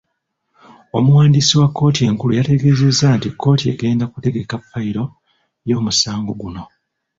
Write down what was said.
Omuwandiisi wa kkooti enkulu yategeezezza nti kkooti egenda kutegeka fayiro y'omusango guno .